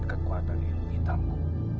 kekuatan ilmu hitamku